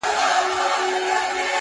دا سپوږمۍ وينې،